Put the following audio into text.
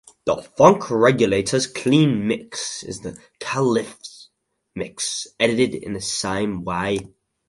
"The Funk Regulators Clean Mix" is the "Kaliphz Mix" edited in the same way.